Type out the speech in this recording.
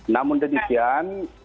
namun dan dikian